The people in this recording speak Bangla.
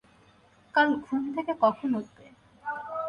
কাল ঘুম থেকে কখন উঠবে?